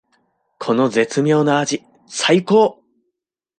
この絶妙な味さいこー！